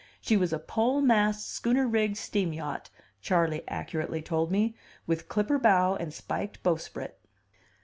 She was a pole mast, schooner rigged steam yacht, Charley accurately told me, with clipper bow and spiked bowsprit.